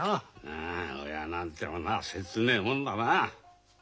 ああ親なんてものは切ねえもんだなあ。